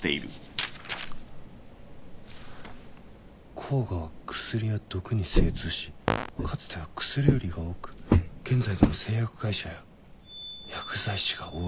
「甲賀は薬や毒に精通しかつては薬売りが多く現在でも製薬会社や薬剤師が多い」